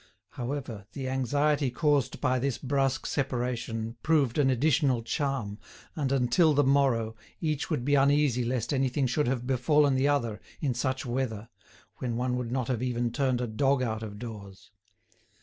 However, the anxiety caused by this brusque separation proved an additional charm, and, until the morrow, each would be uneasy lest anything should have befallen the other in such weather, when one would not even have turned a dog out of doors.